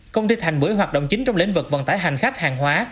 công ty thành bưởi hoạt động chính trong lĩnh vực vận tải hành khách hàng hóa